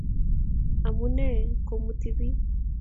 Amune komuti pik?